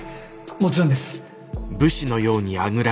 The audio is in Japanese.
もちろんです。